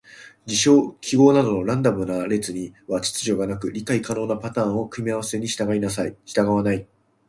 事象・記号などのランダムな列には秩序がなく、理解可能なパターンや組み合わせに従わない。